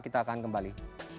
kita akan kembali